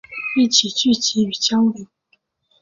一起聚集与交流